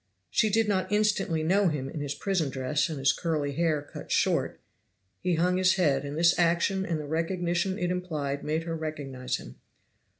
She did not instantly know him in his prison dress and his curly hair cut short; he hung his head, and this action and the recognition it implied made her recognize him.